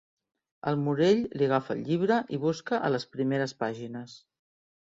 El Morell li agafa el llibre i busca a les primeres pàgines.